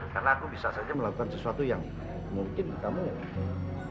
karena aku bisa saja melakukan sesuatu yang mungkin kamu inginkan